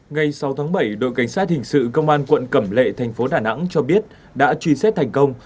ngày sáu tháng bảy đội cảnh sát hình sự công an quận cẩm lệ thành phố đà nẵng cho biết đã truy xét thành công